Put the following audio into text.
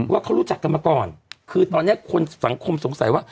ว่าเขารู้จักกันมาก่อนคือตอนนี้คนสังคมสงสัยว่า